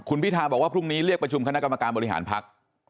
คุณพิทาบอกว่าพรุ่งนี้เรียกประชุมคณะกรรมการบริหารพัก